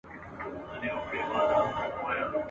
نه مي هوږه خوړلی ده او نه یې له بویه بېرېږم !.